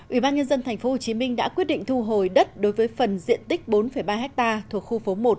ủy ban nhân dân tp hcm đã quyết định thu hồi đất đối với phần diện tích bốn ba ha thuộc khu phố một